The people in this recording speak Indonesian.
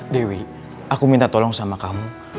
dewi aku minta tolong sama kamu